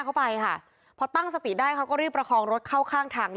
แล้วก็ได้คุยกับนายวิรพันธ์สามีของผู้ตายที่ว่าโดนกระสุนเฉียวริมฝีปากไปนะคะ